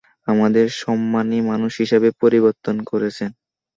আমাদের সম্মানি মানুষ হিসাবে পরিবর্তন করেছেন।